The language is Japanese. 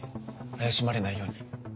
怪しまれないように。